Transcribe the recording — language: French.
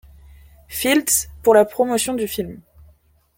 Fields pour le promotion du film.